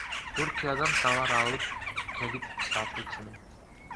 Түркиядан товар алып келип сатчумун.